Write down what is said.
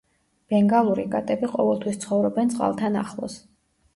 ბენგალური კატები ყოველთვის ცხოვრობენ წყალთან ახლოს.